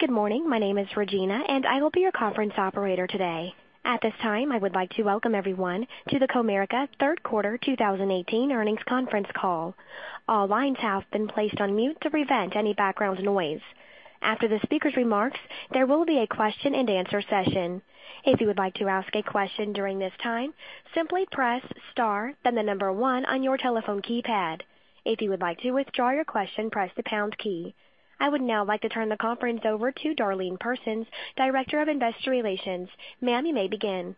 Good morning. My name is Regina, I will be your conference operator today. At this time, I would like to welcome everyone to the Comerica Third Quarter 2018 Earnings Conference Call. All lines have been placed on mute to prevent any background noise. After the speaker's remarks, there will be a question and answer session. If you would like to ask a question during this time, simply press star then 1 on your telephone keypad. If you would like to withdraw your question, press the pound key. I would now like to turn the conference over to Darlene Persons, Director of Investor Relations. Ma'am, you may begin.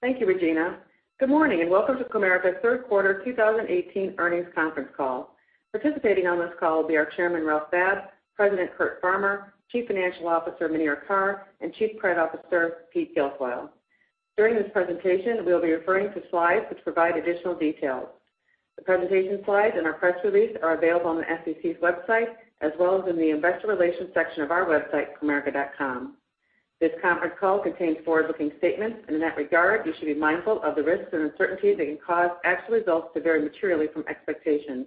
Thank you, Regina. Good morning and welcome to Comerica's Third Quarter 2018 Earnings Conference Call. Participating on this call will be our Chairman, Ralph Babb, President, Curt Farmer, Chief Financial Officer, Muneera Carr, and Chief Credit Officer, Pete Guilfoile. During this presentation, we'll be referring to slides which provide additional details. The presentation slides and our press release are available on the SEC's website, as well as in the investor relations section of our website, comerica.com. This conference call contains forward-looking statements. In that regard, you should be mindful of the risks and uncertainties that can cause actual results to vary materially from expectations.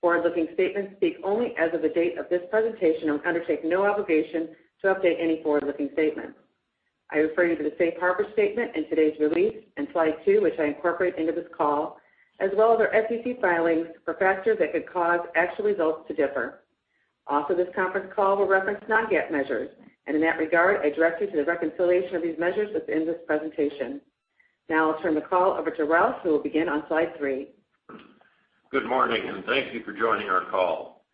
Forward-looking statements speak only as of the date of this presentation and undertake no obligation to update any forward-looking statements. I refer you to the safe harbor statement in today's release in slide two which I incorporate into this call, as well as our SEC filings for factors that could cause actual results to differ. This conference call will reference non-GAAP measures. In that regard, I direct you to the reconciliation of these measures that's in this presentation. Now I'll turn the call over to Ralph, who will begin on slide three. Good morning, thank you for joining our call.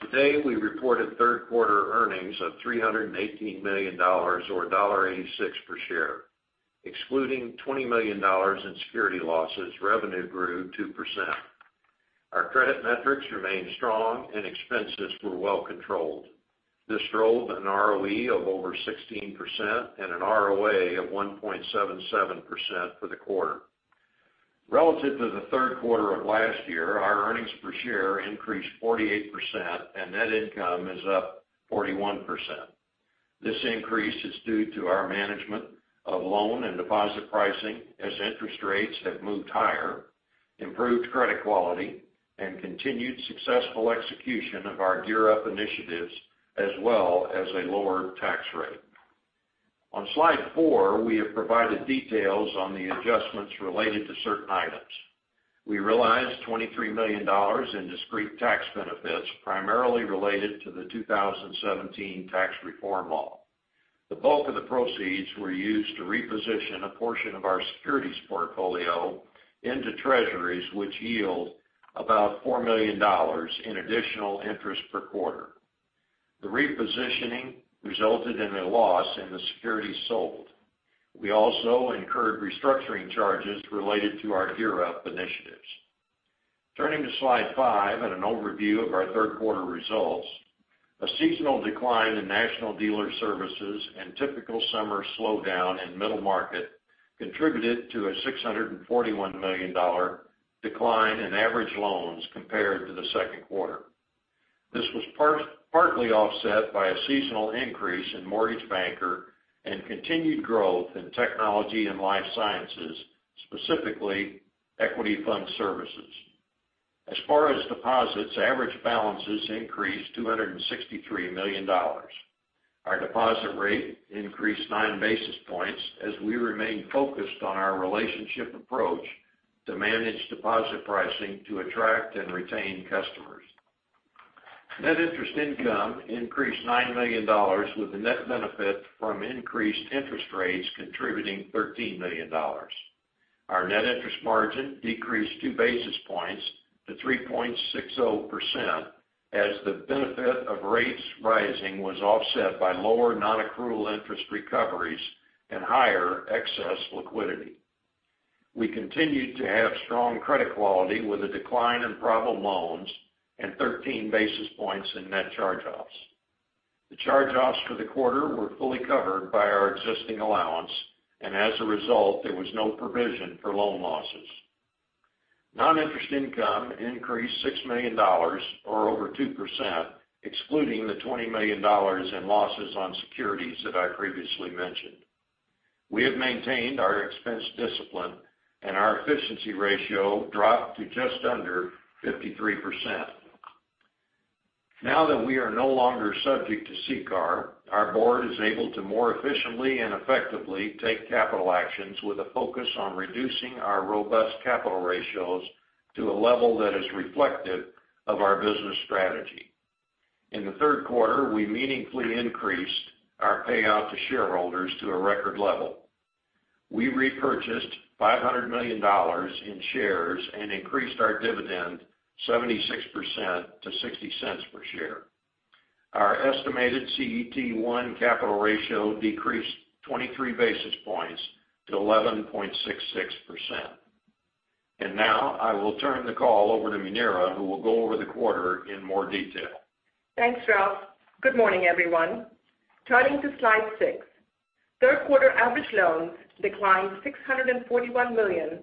Today, we reported third quarter earnings of $318 million, or $1.86 per share. Excluding $20 million in security losses, revenue grew 2%. Our credit metrics remained strong and expenses were well controlled. This drove an ROE of over 16% and an ROA of 1.77% for the quarter. Relative to the third quarter of last year, our earnings per share increased 48% and net income is up 41%. This increase is due to our management of loan and deposit pricing as interest rates have moved higher, improved credit quality, and continued successful execution of our GEAR Up initiatives, as well as a lower tax rate. On slide four, we have provided details on the adjustments related to certain items. We realized $23 million in discrete tax benefits, primarily related to the 2017 tax reform law. The bulk of the proceeds were used to reposition a portion of our securities portfolio into Treasuries, which yield about $4 million in additional interest per quarter. The repositioning resulted in a loss in the securities sold. We also incurred restructuring charges related to our GEAR Up initiatives. Turning to slide five and an overview of our third quarter results. A seasonal decline in National Dealer Services and typical summer slowdown in middle market contributed to a $641 million decline in average loans compared to the second quarter. This was partly offset by a seasonal increase in Mortgage Banker Finance and continued growth in Technology and Life Sciences, specifically equity fund services. As far as deposits, average balances increased $263 million. Our deposit rate increased nine basis points as we remain focused on our relationship approach to manage deposit pricing to attract and retain customers. Net interest income increased $9 million with the net benefit from increased interest rates contributing $13 million. Our net interest margin decreased two basis points to 3.60% as the benefit of rates rising was offset by lower non-accrual interest recoveries and higher excess liquidity. We continued to have strong credit quality with a decline in problem loans and 13 basis points in net charge-offs. The charge-offs for the quarter were fully covered by our existing allowance, and as a result, there was no provision for loan losses. Non-interest income increased $6 million, or over 2%, excluding the $20 million in losses on securities that I previously mentioned. We have maintained our expense discipline and our efficiency ratio dropped to just under 53%. Now that we are no longer subject to CCAR, our board is able to more efficiently and effectively take capital actions with a focus on reducing our robust capital ratios to a level that is reflective of our business strategy. In the third quarter, we meaningfully increased our payout to shareholders to a record level. We repurchased $500 million in shares and increased our dividend 76% to $0.60 per share. Our estimated CET1 capital ratio decreased 23 basis points to 11.66%. Now I will turn the call over to Muneera, who will go over the quarter in more detail. Thanks, Ralph. Good morning, everyone. Turning to slide six. Third quarter average loans declined $641 million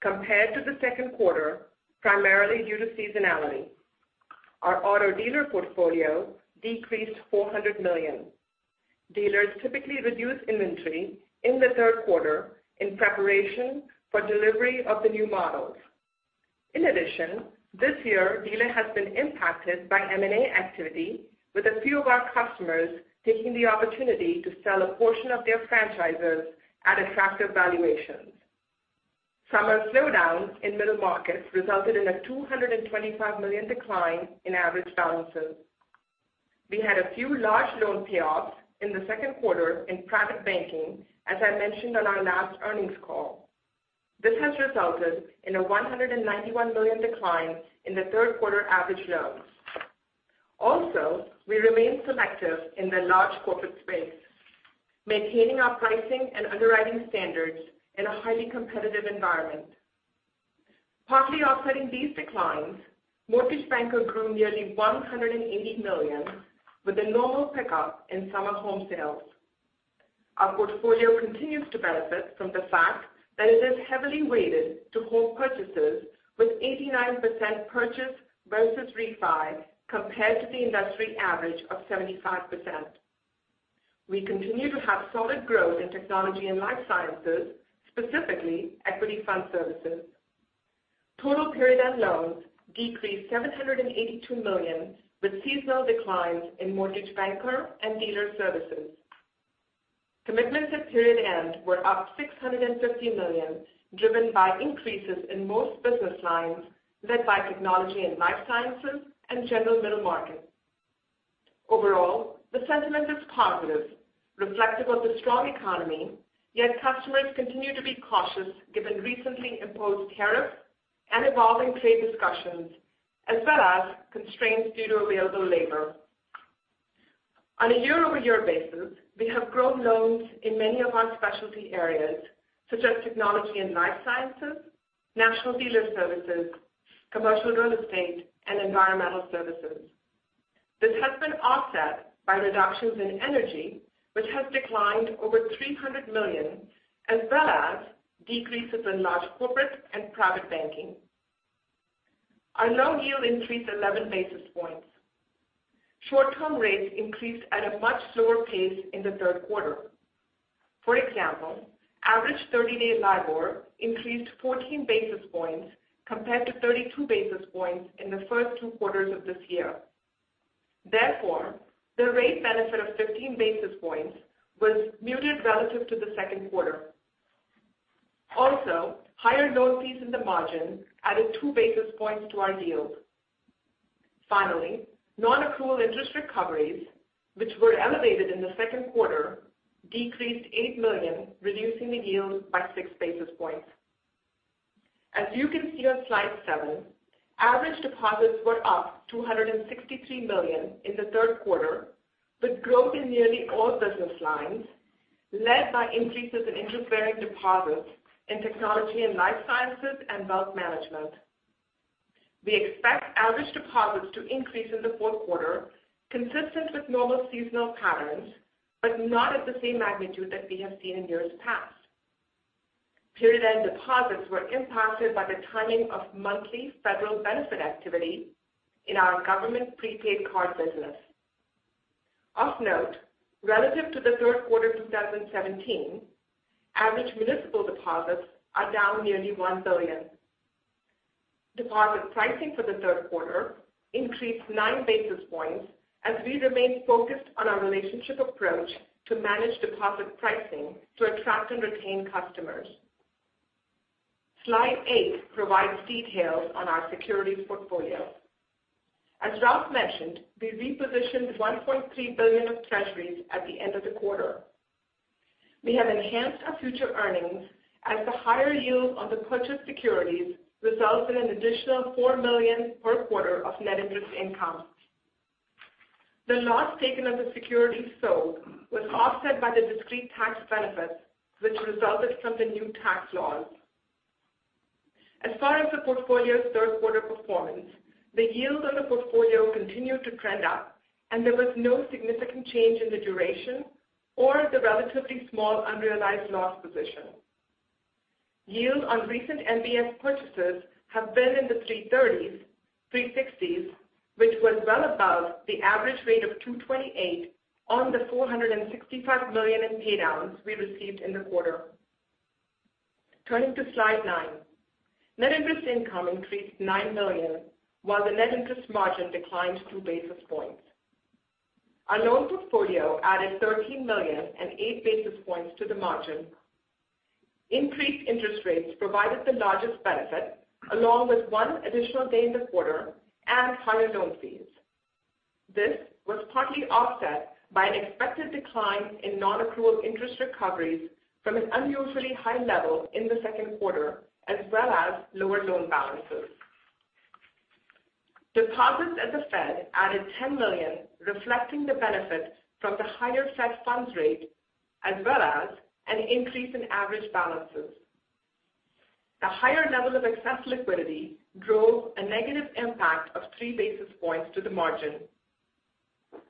compared to the second quarter, primarily due to seasonality. Our auto dealer portfolio decreased $400 million. Dealers typically reduce inventory in the third quarter in preparation for delivery of the new models. In addition, this year Dealer has been impacted by M&A activity with a few of our customers taking the opportunity to sell a portion of their franchises at attractive valuations. Summer slowdowns in middle markets resulted in a $225 million decline in average balances. We had a few large loan payoffs in the second quarter in private banking, as I mentioned on our last earnings call. This has resulted in a $191 million decline in the third quarter average loans. Also, we remain selective in the large corporate space, maintaining our pricing and underwriting standards in a highly competitive environment. Partly offsetting these declines, Mortgage Banker grew nearly $180 million with a normal pickup in summer home sales. Our portfolio continues to benefit from the fact that it is heavily weighted to home purchasers with 89% purchase versus refi, compared to the industry average of 75%. We continue to have solid growth in Technology and Life Sciences, specifically equity fund services. Total period end loans decreased $782 million with seasonal declines in Mortgage Banker and Dealer Services. Commitments at period end were up $650 million, driven by increases in most business lines, led by Technology and Life Sciences and general middle market. Overall, the sentiment is positive, reflective of the strong economy, yet customers continue to be cautious given recently imposed tariffs and evolving trade discussions, as well as constraints due to available labor. On a year-over-year basis, we have grown loans in many of our specialty areas such as Technology and Life Sciences, National Dealer Services, commercial real estate, and environmental services. This has been offset by reductions in energy, which has declined over $300 million, as well as decreases in large corporate and private banking. Our loan yield increased 11 basis points. Short-term rates increased at a much slower pace in the third quarter. For example, average 30-day LIBOR increased 14 basis points compared to 32 basis points in the first two quarters of this year. Therefore, the rate benefit of 15 basis points was muted relative to the second quarter. Also, higher loan fees in the margin added two basis points to our yield. Finally, non-accrual interest recoveries, which were elevated in the second quarter, decreased $8 million, reducing the yield by six basis points. As you can see on slide seven, average deposits were up $263 million in the third quarter with growth in nearly all business lines, led by increases in interest-bearing deposits in Technology and Life Sciences and wealth management. We expect average deposits to increase in the fourth quarter, consistent with normal seasonal patterns, but not at the same magnitude that we have seen in years past. Period end deposits were impacted by the timing of monthly federal benefit activity in our government prepaid card business. Of note, relative to the third quarter 2017, average municipal deposits are down nearly $1 billion. Deposit pricing for the third quarter increased nine basis points as we remain focused on our relationship approach to manage deposit pricing to attract and retain customers. Slide eight provides details on our securities portfolio. As Ralph mentioned, we repositioned $1.3 billion of treasuries at the end of the quarter. We have enhanced our future earnings as the higher yield on the purchased securities results in an additional $4 million per quarter of net interest income. The loss taken on the securities sold was offset by the discrete tax benefits, which resulted from the new tax laws. As far as the portfolio's third quarter performance, the yield on the portfolio continued to trend up, and there was no significant change in the duration or the relatively small unrealized loss position. Yield on recent MBS purchases have been in the 330s, 360s which was well above the average rate of 228 on the $465 million in paydowns we received in the quarter. Turning to slide nine. Net interest income increased $9 million while the net interest margin declined two basis points. Our loan portfolio added $13 million and eight basis points to the margin. Increased interest rates provided the largest benefit along with one additional day in the quarter and higher loan fees. This was partly offset by an expected decline in non-accrual interest recoveries from an unusually high level in the second quarter as well as lower loan balances. Deposits at the Fed added $10 million, reflecting the benefit from the higher Fed funds rate, as well as an increase in average balances. The higher level of excess liquidity drove a negative impact of three basis points to the margin.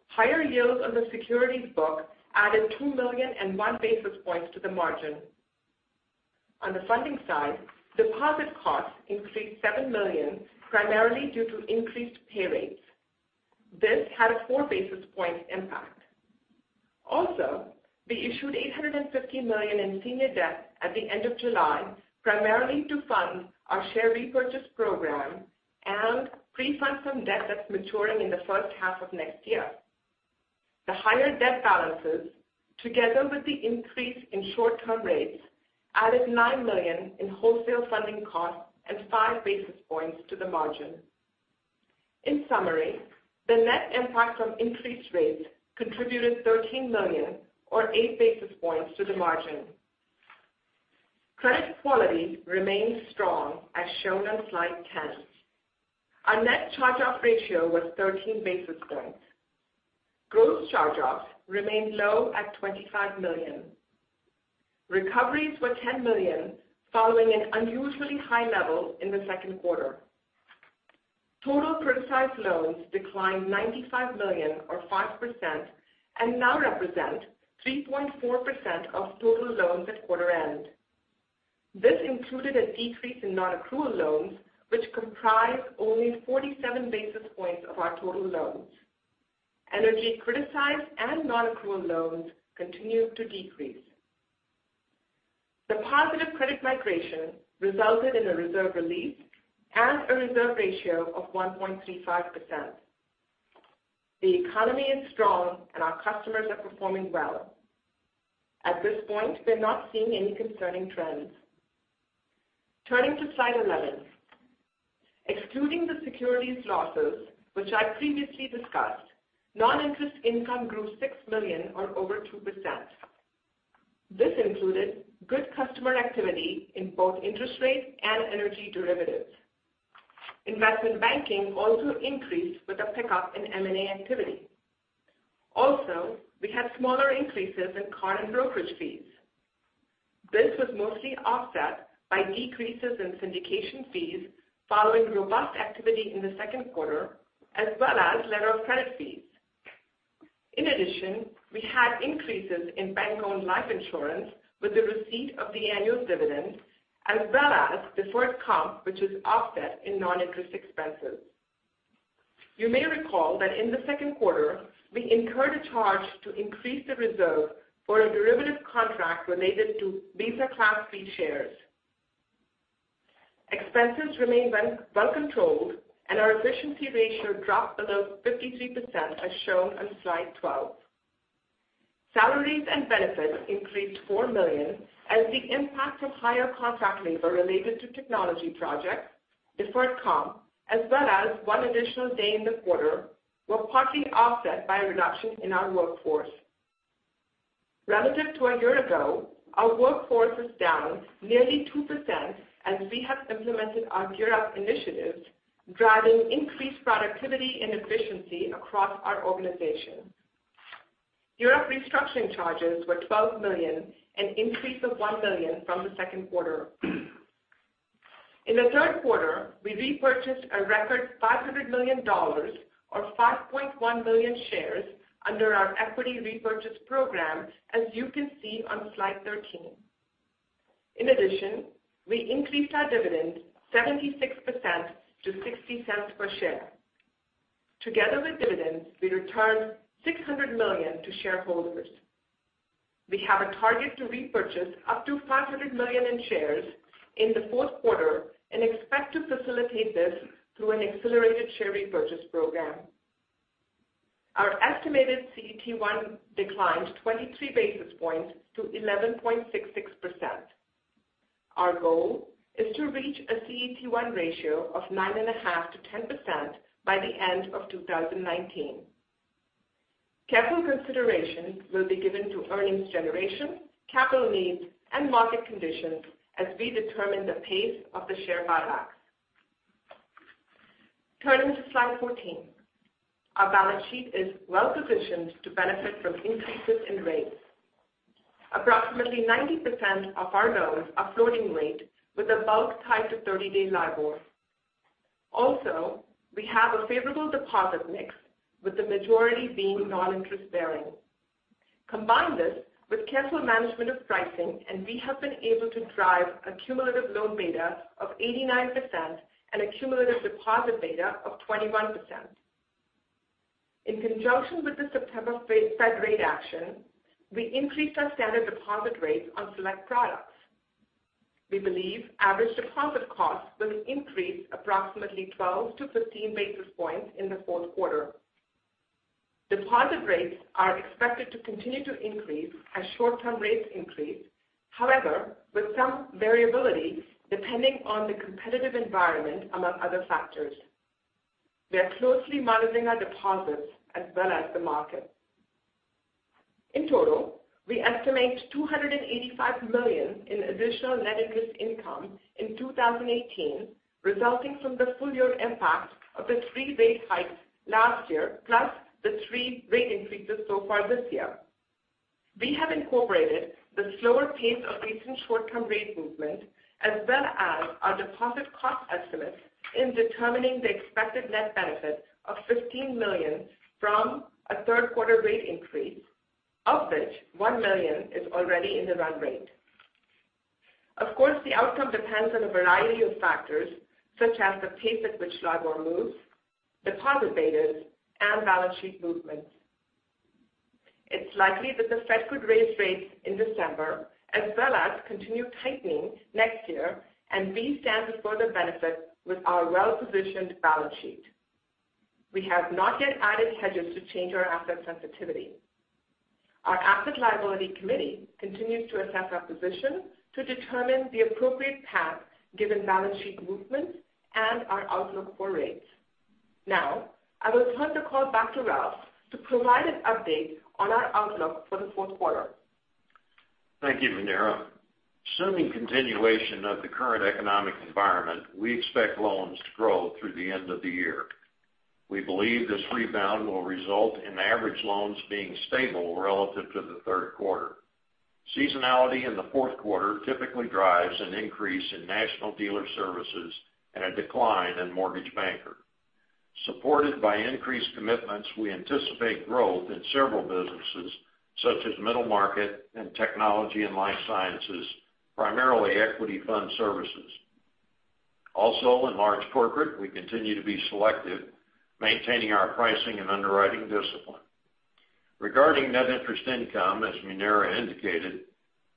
Higher yields on the securities book added $2 million and one basis point to the margin. On the funding side, deposit costs increased $7 million, primarily due to increased pay rates. This had a four basis point impact. We issued $850 million in senior debt at the end of July, primarily to fund our share repurchase program and pre-fund some debt that's maturing in the first half of next year. The higher debt balances, together with the increase in short-term rates, added $9 million in wholesale funding costs and five basis points to the margin. In summary, the net impact from increased rates contributed $13 million, or eight basis points to the margin. Credit quality remains strong as shown on slide 10. Our net charge-off ratio was 13 basis points. Gross charge-offs remained low at $25 million. Recoveries were $10 million, following an unusually high level in the second quarter. Total criticized loans declined $95 million or 5% and now represent 3.4% of total loans at quarter end. This included a decrease in nonaccrual loans, which comprise only 47 basis points of our total loans. Energy criticized and nonaccrual loans continued to decrease. The positive credit migration resulted in a reserve release and a reserve ratio of 1.35%. The economy is strong, and our customers are performing well. At this point, we're not seeing any concerning trends. Turning to slide 11. Excluding the securities losses, which I previously discussed, non-interest income grew $6 million or over 2%. This included good customer activity in both interest rates and energy derivatives. Investment banking also increased with a pickup in M&A activity. We had smaller increases in card and brokerage fees. This was mostly offset by decreases in syndication fees following robust activity in the second quarter, as well as letter of credit fees. In addition, we had increases in bank-owned life insurance with the receipt of the annual dividend as well as deferred comp, which is offset in non-interest expenses. You may recall that in the second quarter, we incurred a charge to increase the reserve for a derivative contract related to Visa Class B shares. Expenses remain well controlled, and our efficiency ratio dropped below 53%, as shown on slide 12. Salaries and benefits increased $4 million as the impact of higher contract labor related to technology projects, deferred comp, as well as one additional day in the quarter, were partly offset by a reduction in our workforce. Relative to a year ago, our workforce is down nearly 2% as we have implemented our GEAR Up initiatives, driving increased productivity and efficiency across our organization. GEAR Up restructuring charges were $12 million, an increase of $1 million from the second quarter. In the third quarter, we repurchased a record $500 million or 5.1 million shares under our equity repurchase program, as you can see on slide 13. In addition, we increased our dividend 76% to $0.60 per share. Together with dividends, we returned $600 million to shareholders. We have a target to repurchase up to $500 million in shares in the fourth quarter and expect to facilitate this through an accelerated share repurchase program. Our estimated CET1 declined 23 basis points to 11.66%. Our goal is to reach a CET1 ratio of 9.5%-10% by the end of 2019. Careful consideration will be given to earnings generation, capital needs, and market conditions as we determine the pace of the share buybacks. Turning to slide 14. Our balance sheet is well positioned to benefit from increases in rates. Approximately 90% of our loans are floating rate, with the bulk tied to 30-day LIBOR. We have a favorable deposit mix, with the majority being non-interest-bearing. Combine this with careful management of pricing, and we have been able to drive a cumulative loan beta of 89% and a cumulative deposit beta of 21%. In conjunction with the September Fed rate action, we increased our standard deposit rates on select products. We believe average deposit costs will increase approximately 12-15 basis points in the fourth quarter. Deposit rates are expected to continue to increase as short-term rates increase. With some variability depending on the competitive environment among other factors. We are closely monitoring our deposits as well as the market. In total, we estimate $285 million in additional net interest income in 2018 resulting from the full year impact of the three rate hikes last year, plus the three rate increases so far this year. We have incorporated the slower pace of recent short-term rate movement as well as our deposit cost estimates in determining the expected net benefit of $15 million from a third quarter rate increase, of which $1 million is already in the run rate. Of course, the outcome depends on a variety of factors, such as the pace at which LIBOR moves, deposit betas, and balance sheet movements. It's likely that the Fed could raise rates in December, as well as continue tightening next year, and we stand to further benefit with our well-positioned balance sheet. We have not yet added hedges to change our asset sensitivity. Our asset liability committee continues to assess our position to determine the appropriate path given balance sheet movements and our outlook for rates. I will turn the call back to Ralph to provide an update on our outlook for the fourth quarter. Thank you, Muneera. Assuming continuation of the current economic environment, we expect loans to grow through the end of the year. We believe this rebound will result in average loans being stable relative to the third quarter. Seasonality in the fourth quarter typically drives an increase in National Dealer Services and a decline in Mortgage Banker. Supported by increased commitments, we anticipate growth in several businesses, such as middle market and Technology and Life Sciences, primarily equity fund services. In large corporate, we continue to be selective, maintaining our pricing and underwriting discipline. Regarding net interest income, as Muneera indicated,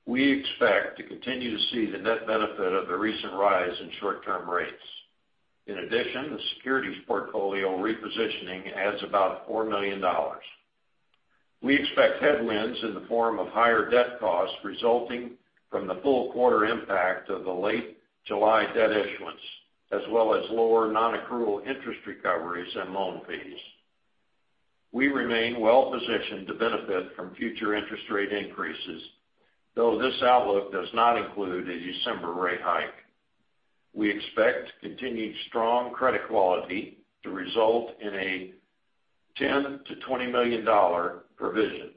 we expect to continue to see the net benefit of the recent rise in short-term rates. In addition, the securities portfolio repositioning adds about $4 million. We expect headwinds in the form of higher debt costs resulting from the full quarter impact of the late July debt issuance, as well as lower non-accrual interest recoveries and loan fees. We remain well-positioned to benefit from future interest rate increases, though this outlook does not include a December rate hike. We expect continued strong credit quality to result in a $10 million-$20 million provision.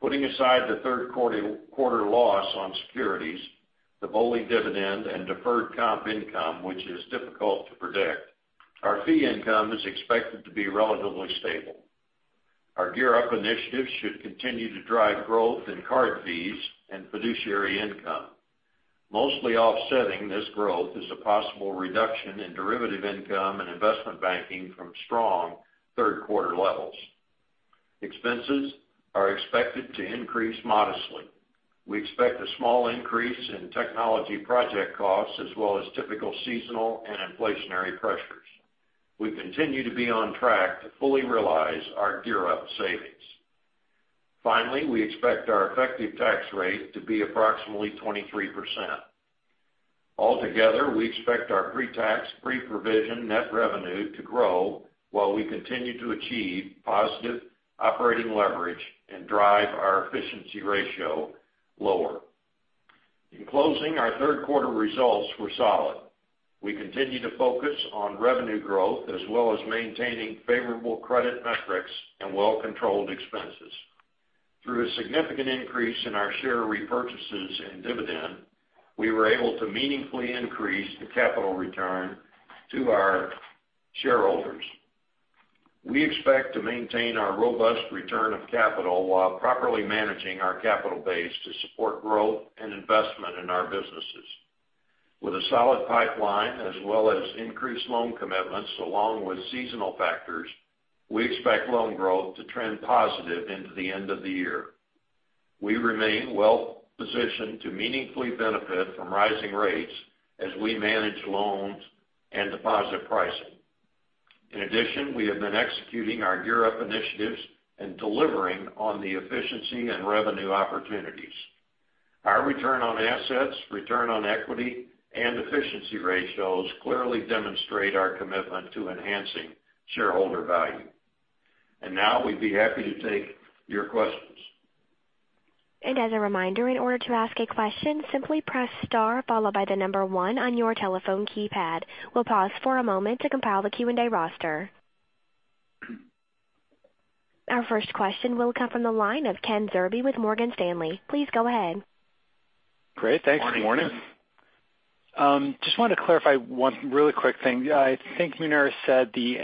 Putting aside the third quarter loss on securities, the BOLI dividend, and deferred comp income, which is difficult to predict, our fee income is expected to be relatively stable. Our GEAR Up initiatives should continue to drive growth in card fees and fiduciary income. Mostly offsetting this growth is a possible reduction in derivative income and investment banking from strong third quarter levels. Expenses are expected to increase modestly. We expect a small increase in technology project costs as well as typical seasonal and inflationary pressures. We continue to be on track to fully realize our GEAR Up savings. We expect our effective tax rate to be approximately 23%. Altogether, we expect our pre-tax, pre-provision net revenue to grow while we continue to achieve positive operating leverage and drive our efficiency ratio lower. In closing, our third quarter results were solid. We continue to focus on revenue growth as well as maintaining favorable credit metrics and well-controlled expenses. Through a significant increase in our share repurchases and dividend, we were able to meaningfully increase the capital return to our shareholders. We expect to maintain our robust return of capital while properly managing our capital base to support growth and investment in our businesses. With a solid pipeline, as well as increased loan commitments along with seasonal factors, we expect loan growth to trend positive into the end of the year. We remain well-positioned to meaningfully benefit from rising rates as we manage loans and deposit pricing. We have been executing our GEAR Up initiatives and delivering on the efficiency and revenue opportunities. Our return on assets, return on equity, and efficiency ratios clearly demonstrate our commitment to enhancing shareholder value. We'd be happy to take your questions. As a reminder, in order to ask a question, simply press star followed by the number one on your telephone keypad. We'll pause for a moment to compile the Q&A roster. Our first question will come from the line of Kenneth Zerbe with Morgan Stanley. Please go ahead. Great. Thanks. Good morning. Morning, Ken. Just wanted to clarify one really quick thing. I think Muneera said the,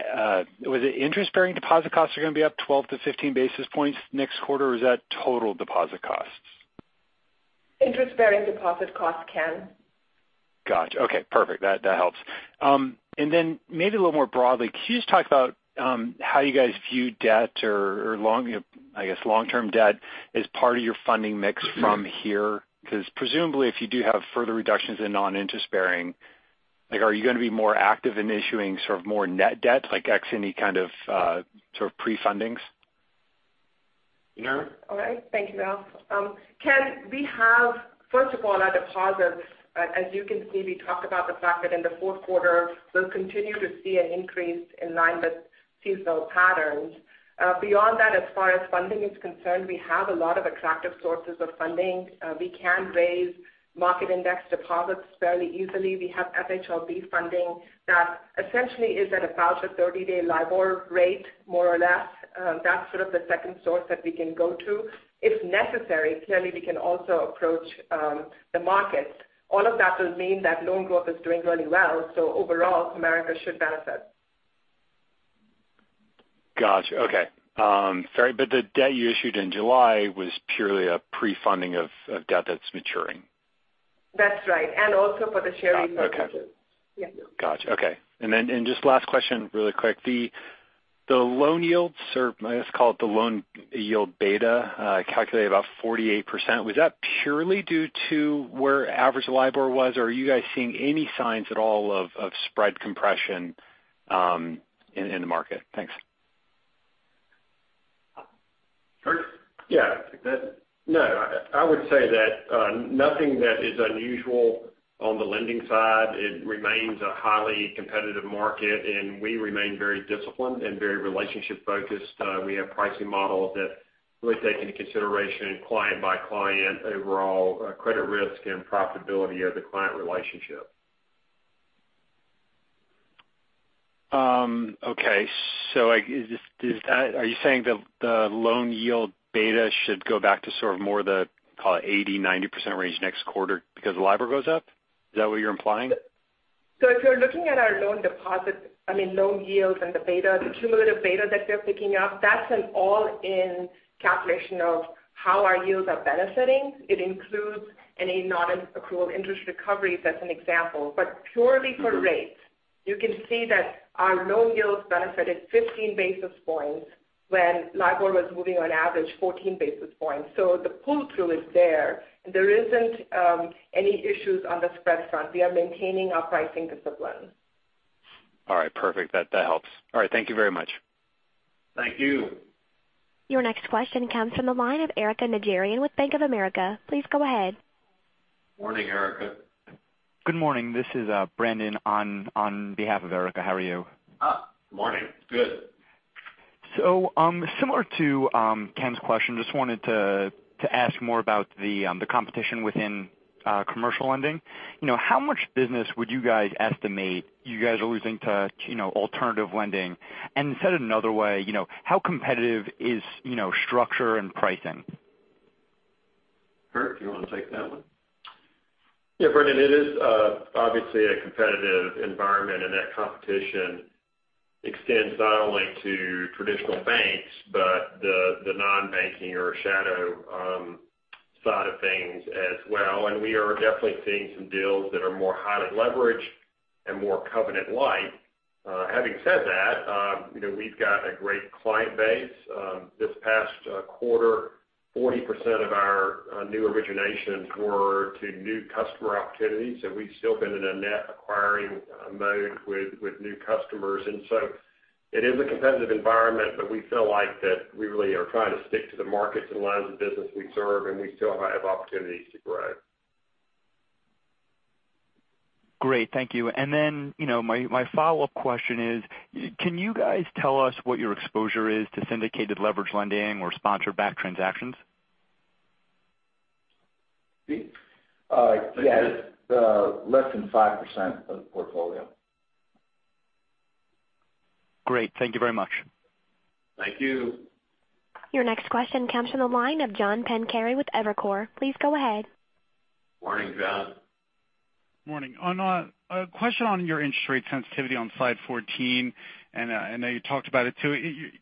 was it interest-bearing deposit costs are going to be up 12-15 basis points next quarter? Or is that total deposit costs? Interest-bearing deposit costs, Ken. Got you. Okay, perfect. That helps. Then maybe a little more broadly, can you just talk about how you guys view debt or long-term debt as part of your funding mix from here? Because presumably, if you do have further reductions in non-interest bearing, are you going to be more active in issuing sort of more net debt, like X and Y kind of pre-fundings? Munera? All right. Thank you, Ralph. Ken, we have, first of all, our deposits. As you can see, we talked about the fact that in the fourth quarter, we'll continue to see an increase in line with seasonal patterns. Beyond that, as far as funding is concerned, we have a lot of attractive sources of funding. We can raise market index deposits fairly easily. We have FHLB funding that essentially is at about a 30-day LIBOR rate, more or less. That's sort of the second source that we can go to. If necessary, clearly, we can also approach the market. All of that will mean that loan growth is doing really well, overall, Comerica should benefit. Got you. Okay. Sorry, the debt you issued in July was purely a pre-funding of debt that's maturing. Also for the sharing purposes. Got you. Okay. Just last question really quick, the loan yields, or let's call it the loan yield beta, calculated about 48%. Was that purely due to where average LIBOR was or are you guys seeing any signs at all of spread compression in the market? Thanks. Curt? Yeah. No, I would say that nothing that is unusual on the lending side. It remains a highly competitive market, and we remain very disciplined and very relationship-focused. We have pricing models that really take into consideration client by client overall credit risk and profitability of the client relationship. Okay, are you saying the loan yield beta should go back to sort of more the, call it 80%, 90% range next quarter because LIBOR goes up? Is that what you're implying? If you're looking at our loan yields and the beta, the cumulative beta that they're picking up, that's an all-in calculation of how our yields are benefiting. It includes any non-accrual interest recoveries, as an example. Purely for rates, you can see that our loan yields benefited 15 basis points when LIBOR was moving on average 14 basis points. The pull-through is there. There isn't any issues on the spread front. We are maintaining our pricing discipline. All right. Perfect. That helps. All right. Thank you very much. Thank you. Your next question comes from the line of Erika Najarian with Bank of America. Please go ahead. Morning, Erika. Good morning. This is Brandon on behalf of Erika. How are you? Morning. Good. Similar to Ken's question, just wanted to ask more about the competition within commercial lending. How much business would you guys estimate you guys are losing to alternative lending? Said another way, how competitive is structure and pricing? Kurt, you want to take that one? Yeah, Brandon, it is obviously a competitive environment. That competition extends not only to traditional banks, but the non-banking or shadow side of things as well. We are definitely seeing some deals that are more highly leveraged and more covenant light. Having said that, we've got a great client base. This past quarter, 40% of our new originations were to new customer opportunities, so we've still been in a net acquiring mode with new customers. It is a competitive environment, but we feel like that we really are trying to stick to the markets and lines of business we serve, and we still have opportunities to grow. Great. Thank you. My follow-up question is, can you guys tell us what your exposure is to syndicated leverage lending or sponsor-backed transactions? Pete? Yes. Less than 5% of the portfolio. Great. Thank you very much. Thank you. Your next question comes from the line of John Pancari with Evercore. Please go ahead. Morning, John. Morning. A question on your interest rate sensitivity on slide 14, I know you talked about it, too.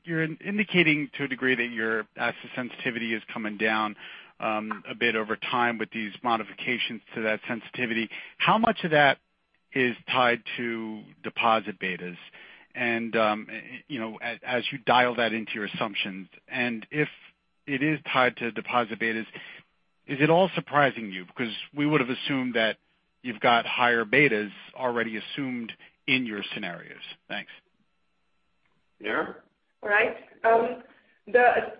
You're indicating to a degree that your asset sensitivity is coming down a bit over time with these modifications to that sensitivity. How much of that is tied to deposit betas? As you dial that into your assumptions, if it is tied to deposit betas, is it all surprising you? We would've assumed that you've got higher betas already assumed in your scenarios. Thanks. Muneera? Right.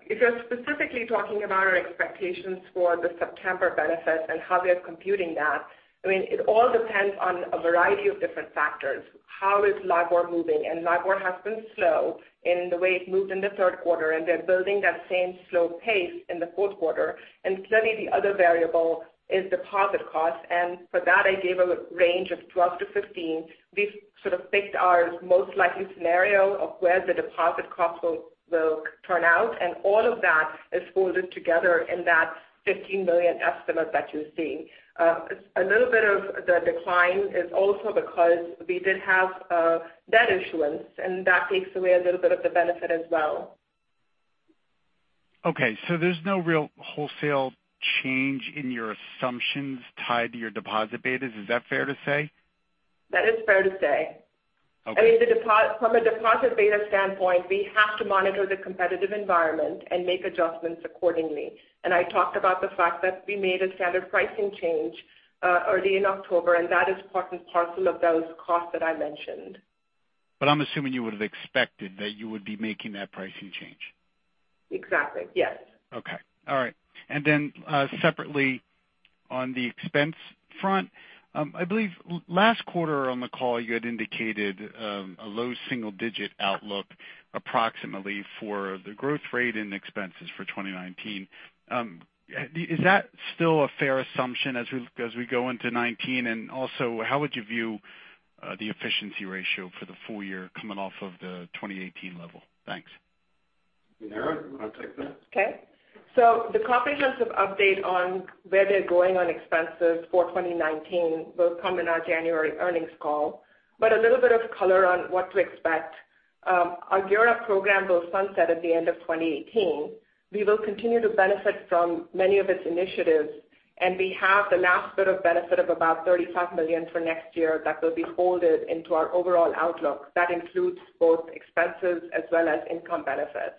If you're specifically talking about our expectations for the September benefits and how we are computing that, it all depends on a variety of different factors. How is LIBOR moving? LIBOR has been slow in the way it moved in the third quarter, they're building that same slow pace in the fourth quarter. Clearly the other variable is deposit costs, for that, I gave a range of 12 to 15. We've sort of picked our most likely scenario of where the deposit cost will turn out, all of that is folded together in that $15 million estimate that you're seeing. A little bit of the decline is also because we did have debt issuance, that takes away a little bit of the benefit as well. Okay. There's no real wholesale change in your assumptions tied to your deposit betas. Is that fair to say? That is fair to say. Okay. From a deposit beta standpoint, we have to monitor the competitive environment and make adjustments accordingly. I talked about the fact that we made a standard pricing change early in October, and that is part and parcel of those costs that I mentioned. I'm assuming you would've expected that you would be making that pricing change? Exactly, yes. Okay. All right. Then, separately on the expense front, I believe last quarter on the call you had indicated a low single-digit outlook approximately for the growth rate and expenses for 2019. Is that still a fair assumption as we go into 2019? Also, how would you view the efficiency ratio for the full year coming off of the 2018 level? Thanks. Muneera, you want to take that? The comprehensive update on where they're going on expenses for 2019 will come in our January earnings call. A little bit of color on what to expect. Our GEAR Up program will sunset at the end of 2018. We will continue to benefit from many of its initiatives, and we have the last bit of benefit of about $35 million for next year that will be folded into our overall outlook. That includes both expenses as well as income benefit.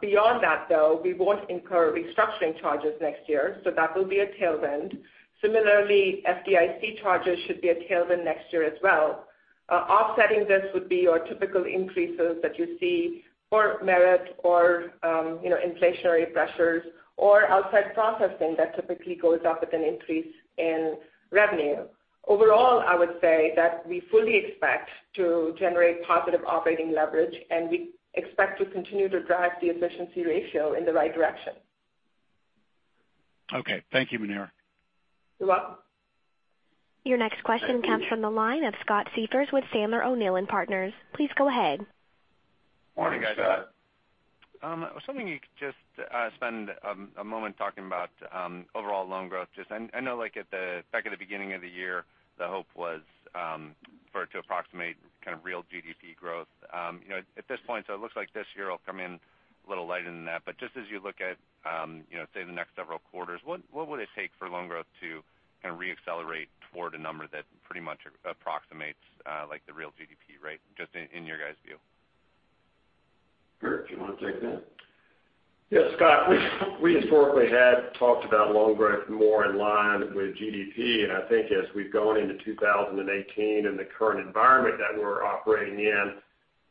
Beyond that, though, we won't incur restructuring charges next year, that will be a tailwind. Similarly, FDIC charges should be a tailwind next year as well. Offsetting this would be your typical increases that you see for merit or inflationary pressures, or outside processing that typically goes up with an increase in revenue. Overall, I would say that we fully expect to generate positive operating leverage, and we expect to continue to drive the efficiency ratio in the right direction. Thank you, Muneera. You're welcome. Your next question comes from the line of Scott Siefers with Sandler O'Neill + Partners. Please go ahead. Morning, Scott. Morning, guys. I was wondering if you could just spend a moment talking about overall loan growth. I know back at the beginning of the year, the hope was for it to approximate real GDP growth. At this point, it looks like this year will come in a little lighter than that. Just as you look at say the next several quarters, what would it take for loan growth to re-accelerate toward a number that pretty much approximates the real GDP rate, just in your guys' view? Curt, do you want to take that? Yes, Scott, we historically had talked about loan growth more in line with GDP. I think as we've gone into 2018 and the current environment that we're operating in,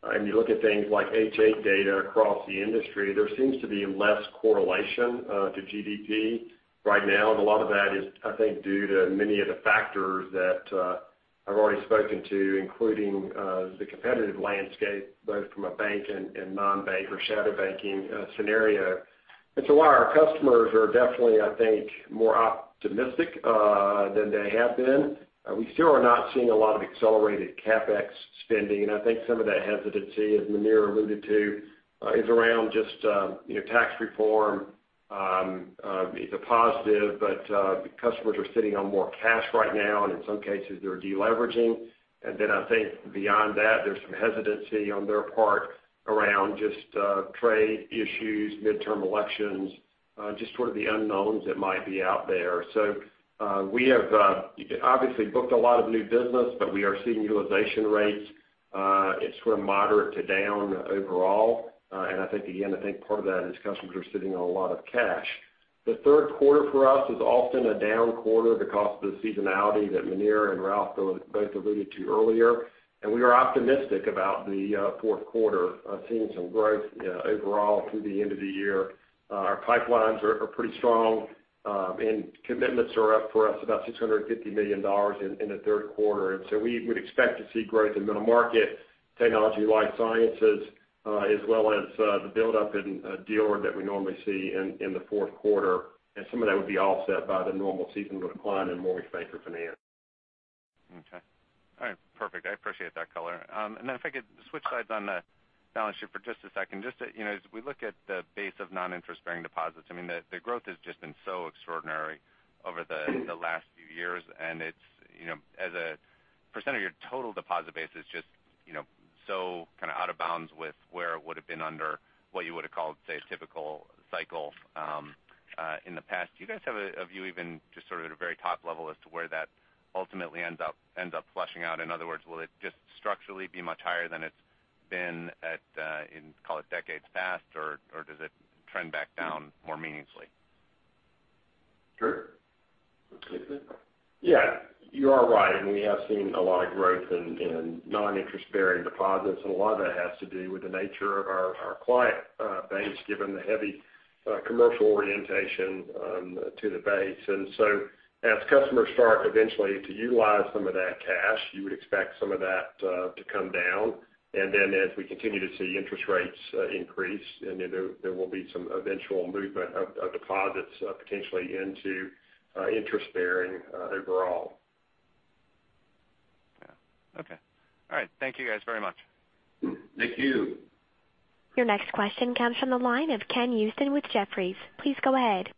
and you look at things like H.8 data across the industry, there seems to be less correlation to GDP right now. A lot of that is, I think, due to many of the factors that I've already spoken to, including the competitive landscape, both from a bank and non-bank or shadow banking scenario. While our customers are definitely, I think, more optimistic than they have been, we still are not seeing a lot of accelerated CapEx spending. I think some of that hesitancy, as Muneera alluded to, is around just tax reform. It's a positive, but customers are sitting on more cash right now, and in some cases, they're de-leveraging. Then I think beyond that, there's some hesitancy on their part around just trade issues, midterm elections, just sort of the unknowns that might be out there. We have obviously booked a lot of new business, but we are seeing utilization rates, it's sort of moderate to down overall. I think, again, I think part of that is customers are sitting on a lot of cash. The third quarter for us is often a down quarter because of the seasonality that Muneera and Ralph both alluded to earlier. We are optimistic about the fourth quarter, seeing some growth overall through the end of the year. Our pipelines are pretty strong, and commitments are up for us about $650 million in the third quarter. We would expect to see growth in middle market, Technology and Life Sciences, as well as the buildup in dealer that we normally see in the fourth quarter. Some of that would be offset by the normal seasonal decline in Mortgage Banker Finance. Okay. All right. Perfect. I appreciate that color. If I could switch sides on the balance sheet for just a second. Just as we look at the base of non-interest-bearing deposits, the growth has just been so extraordinary over the last few years, and as a % of your total deposit base is just so out of bounds with where it would've been under what you would've called, say, a typical cycle in the past. Do you guys have a view even just sort of at a very top level as to where that ultimately ends up flushing out? In other words, will it just structurally be much higher than it's been at, call it decades past, or does it trend back down more meaningfully? Curt, want to take that? Yeah. You are right. I mean, we have seen a lot of growth in non-interest-bearing deposits. A lot of that has to do with the nature of our client base, given the heavy commercial orientation to the base. As customers start eventually to utilize some of that cash, you would expect some of that to come down. As we continue to see interest rates increase, there will be some eventual movement of deposits potentially into interest-bearing overall. Yeah. Okay. All right. Thank you guys very much. Thank you. Your next question comes from the line of Ken Usdin with Jefferies. Please go ahead.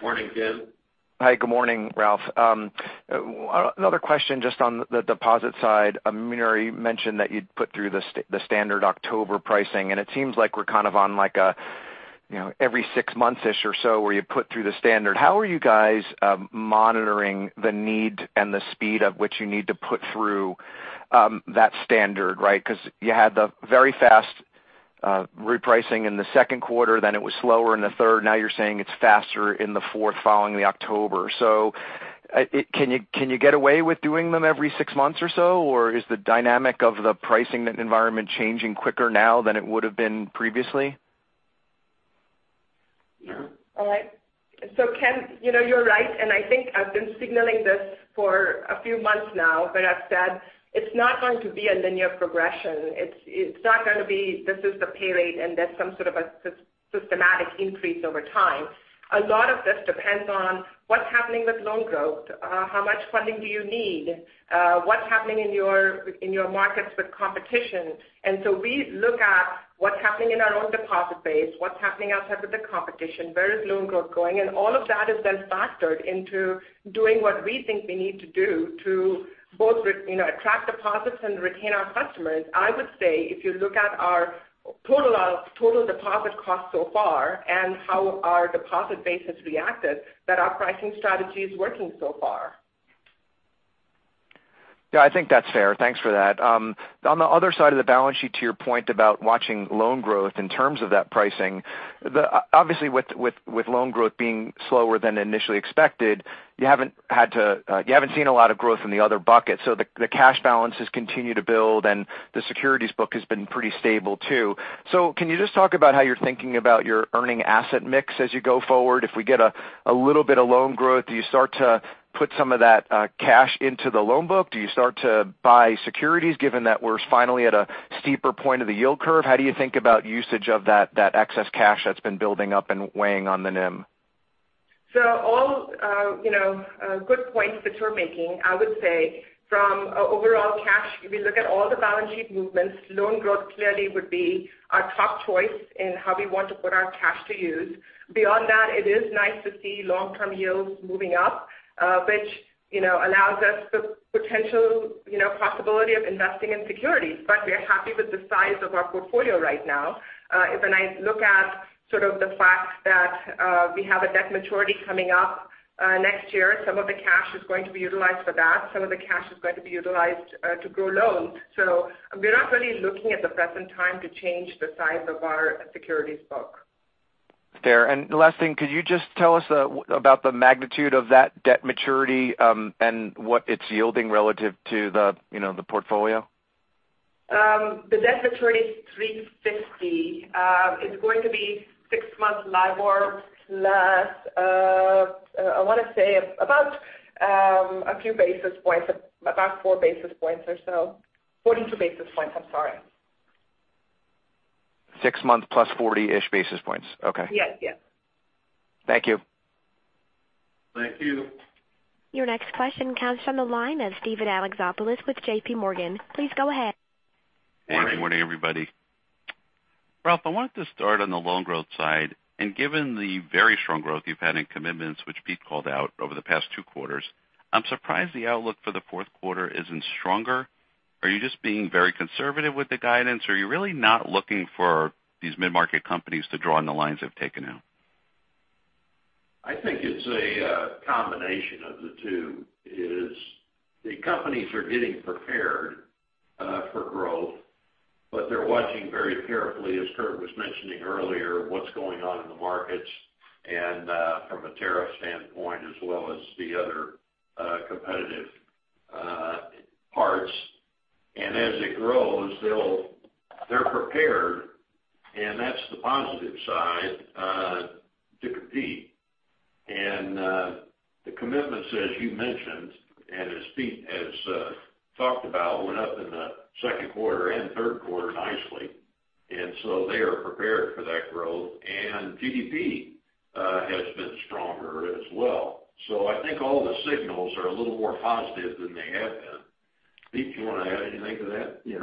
Morning, Ken. Hi. Good morning, Ralph. Another question just on the deposit side. Munira mentioned that you'd put through the standard October pricing, and it seems like we're kind of on like a every six months-ish or so where you put through the standard. How are you guys monitoring the need and the speed of which you need to put through that standard, right? Because you had the very fast repricing in the second quarter, then it was slower in the third. Now you're saying it's faster in the fourth following the October. Can you get away with doing them every six months or so? Is the dynamic of the pricing environment changing quicker now than it would've been previously? All right. Ken, you're right, I think I've been signaling this for a few months now, I've said it's not going to be a linear progression. It's not going to be, this is the pay rate, and there's some sort of a systematic increase over time. A lot of this depends on what's happening with loan growth, how much funding do you need, what's happening in your markets with competition. We look at what's happening in our own deposit base, what's happening outside with the competition, where is loan growth going, and all of that is then factored into doing what we think we need to do to both attract deposits and retain our customers. I would say, if you look at our total deposit cost so far and how our deposit base has reacted, that our pricing strategy is working so far. Yeah, I think that's fair. Thanks for that. On the other side of the balance sheet, to your point about watching loan growth in terms of that pricing, obviously with loan growth being slower than initially expected, you haven't seen a lot of growth in the other bucket. The cash balances continue to build, and the securities book has been pretty stable too. Can you just talk about how you're thinking about your earning asset mix as you go forward? If we get a little bit of loan growth, do you start to put some of that cash into the loan book? Do you start to buy securities, given that we're finally at a steeper point of the yield curve? How do you think about usage of that excess cash that's been building up and weighing on the NIM? All good points that you're making. I would say from overall cash, if you look at all the balance sheet movements, loan growth clearly would be our top choice in how we want to put our cash to use. Beyond that, it is nice to see long-term yields moving up, which allows us the potential possibility of investing in securities. We are happy with the size of our portfolio right now. If I look at the fact that we have a debt maturity coming up next year, some of the cash is going to be utilized for that, some of the cash is going to be utilized to grow loans. We're not really looking at the present time to change the size of our securities book. Fair. Last thing, could you just tell us about the magnitude of that debt maturity and what it's yielding relative to the portfolio? The debt maturity is $350. It's going to be six months LIBOR plus, I want to say about a few basis points, about four basis points or so. 42 basis points. I'm sorry. six months plus 40-ish basis points. Okay. Yes, yes. Thank you. Thank you. Your next question comes from the line of Steven Alexopoulos with JPMorgan. Please go ahead. Good morning, everybody. Ralph, I wanted to start on the loan growth side. Given the very strong growth you've had in commitments which Pete called out over the past two quarters, I'm surprised the outlook for the fourth quarter isn't stronger. Are you just being very conservative with the guidance, or are you really not looking for these mid-market companies to draw on the lines they've taken out? I think it's a combination of the two. The companies are getting prepared for growth, but they're watching very carefully, as Curt was mentioning earlier, what's going on in the markets and from a tariff standpoint as well as the other competitive parts. As it grows, they're prepared, and that's the positive side to compete. The commitments, as you mentioned, and as Pete has talked about, went up in the second quarter and third quarter nicely. They are prepared for that growth. GDP has been stronger as well. I think all the signals are a little more positive than they have been. Pete, do you want to add anything to that? Yeah.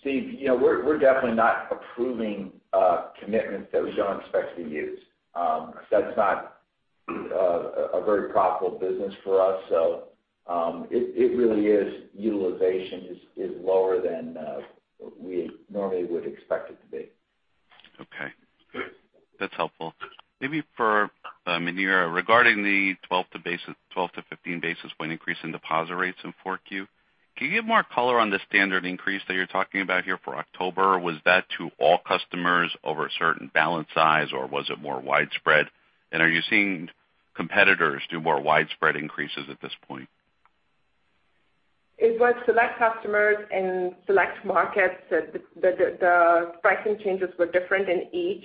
Steve, we're definitely not approving commitments that we don't expect to be used. That's not a very profitable business for us. It really is utilization is lower than we normally would expect it to be. Okay. That's helpful. Maybe for Muneera, regarding the 12 to 15 basis point increase in deposit rates in 4Q, can you give more color on the standard increase that you're talking about here for October? Was that to all customers over a certain balance size, or was it more widespread? Are you seeing competitors do more widespread increases at this point? It was select customers in select markets. The pricing changes were different in each.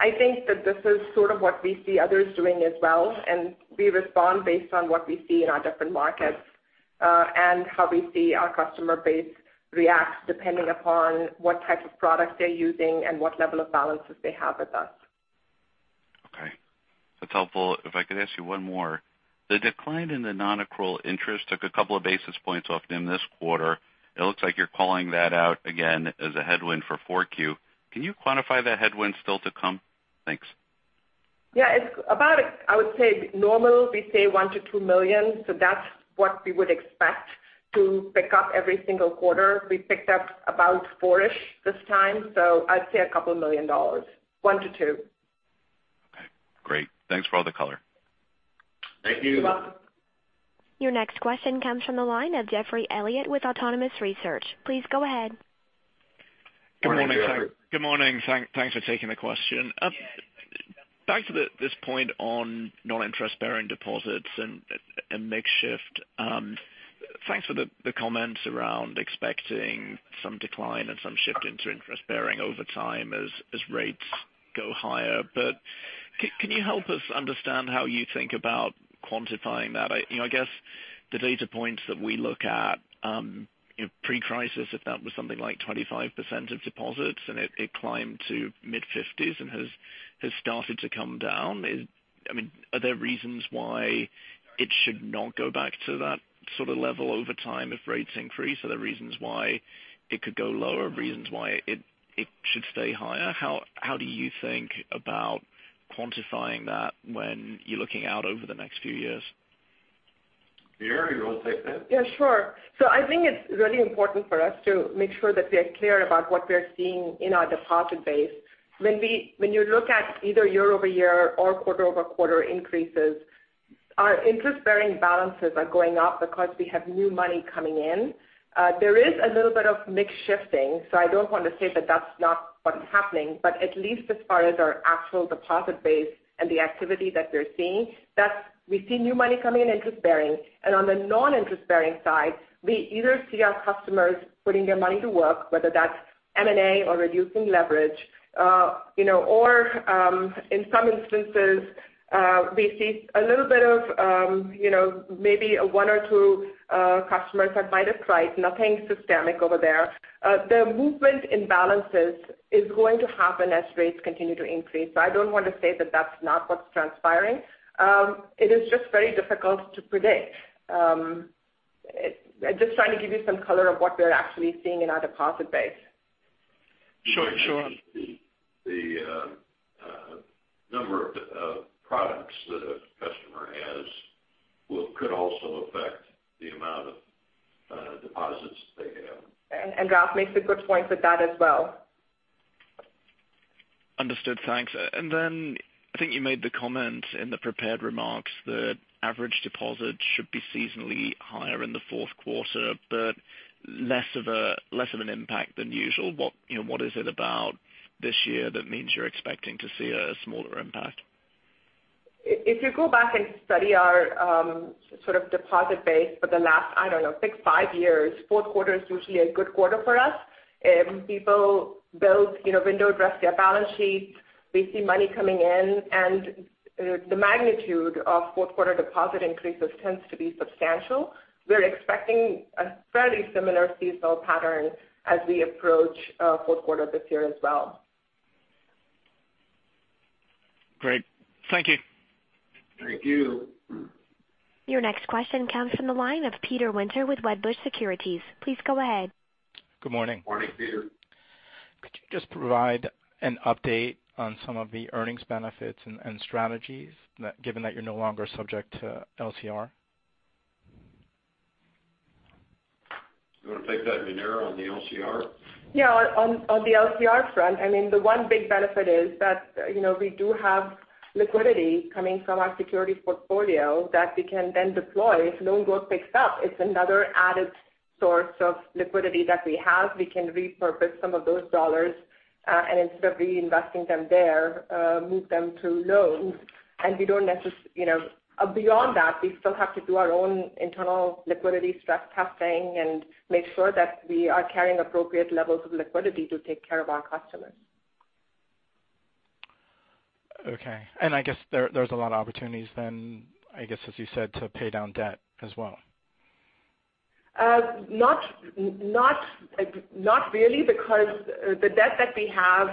I think that this is sort of what we see others doing as well, and we respond based on what we see in our different markets, and how we see our customer base react depending upon what type of product they're using and what level of balances they have with us. Okay. That's helpful. If I could ask you one more. The decline in the non-accrual interest took a couple of basis points off NIM this quarter. It looks like you're calling that out again as a headwind for 4Q. Can you quantify that headwind still to come? Thanks. Yeah. It's about, I would say, normal. We say $1 million-$2 million, that's what we would expect to pick up every single quarter. We picked up about $4 million-ish this time, I'd say a couple million dollars. $1 million-$2 million. Okay, great. Thanks for all the color. Thank you. You're welcome. Your next question comes from the line of Geoffrey Elliott with Autonomous Research. Please go ahead. Good morning. Good morning, Geoffrey. Good morning. Thanks for taking the question. Yeah. Back to this point on non-interest-bearing deposits and mix shift. Thanks for the comments around expecting some decline and some shift into interest bearing over time as rates go higher. Can you help us understand how you think about quantifying that? I guess the data points that we look at, pre-crisis, if that was something like 25% of deposits and it climbed to mid-50s and has started to come down. Are there reasons why it should not go back to that sort of level over time if rates increase? Are there reasons why it could go lower? Reasons why it should stay higher? How do you think about quantifying that when you're looking out over the next few years? Muneera, you want to take that? Yeah, sure. I think it's really important for us to make sure that we are clear about what we're seeing in our deposit base. When you look at either year-over-year or quarter-over-quarter increases, our interest-bearing balances are going up because we have new money coming in. There is a little bit of mix shifting, so I don't want to say that that's not what's happening. At least as far as our actual deposit base and the activity that we're seeing, we see new money coming in interest bearing. On the non-interest-bearing side, we either see our customers putting their money to work, whether that's M&A or reducing leverage. Or in some instances, we see a little bit of maybe one or two customers that might have priced, nothing systemic over there. The movement in balances is going to happen as rates continue to increase. I don't want to say that's not what's transpiring. It is just very difficult to predict. Just trying to give you some color of what we're actually seeing in our deposit base. Sure. The number of products that a customer has could also affect the amount of deposits they have. Ralph makes a good point with that as well. Understood. Thanks. I think you made the comment in the prepared remarks that average deposits should be seasonally higher in the fourth quarter, but less of an impact than usual. What is it about this year that means you're expecting to see a smaller impact? If you go back and study our sort of deposit base for the last, I don't know, think five years, fourth quarter is usually a good quarter for us. People build, window dress their balance sheets. We see money coming in, the magnitude of fourth quarter deposit increases tends to be substantial. We're expecting a fairly similar seasonal pattern as we approach fourth quarter this year as well. Great. Thank you. Thank you. Your next question comes from the line of Peter Winter with Wedbush Securities. Please go ahead. Good morning. Morning, Peter. Could you just provide an update on some of the earnings benefits and strategies, given that you're no longer subject to LCR? You want to take that, Muneera, on the LCR? Yeah. On the LCR front, the one big benefit is that we do have liquidity coming from our securities portfolio that we can then deploy if loan growth picks up. It's another added source of liquidity that we have. We can repurpose some of those dollars, and instead of reinvesting them there, move them to loans. Beyond that, we still have to do our own internal liquidity stress testing and make sure that we are carrying appropriate levels of liquidity to take care of our customers. Okay. I guess there's a lot of opportunities then, I guess, as you said, to pay down debt as well. Not really because the debt that we have,